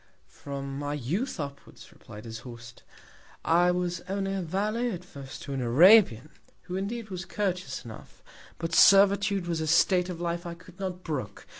From my Youth upwards, replied his Host, I was only a Valet at first to an Arabian, who indeed was courteous enough; but Servitude was a State of Life I could not brook.